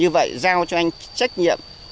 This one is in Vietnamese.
như vậy giao cho anh trách nhiệm